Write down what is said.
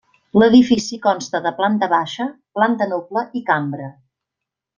L'edifici consta de planta baixa, planta noble i cambra.